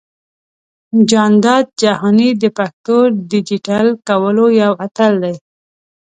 جانداد جهاني د پښتو ډىجيټل کولو يو اتل دى.